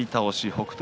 北勝